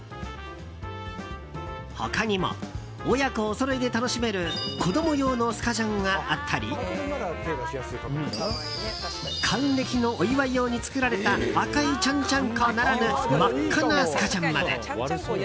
他にも、親子おそろいで楽しめる子供用のスカジャンがあったり還暦のお祝い用に作られた赤い、ちゃんちゃんこならぬ真っ赤なスカジャンまで。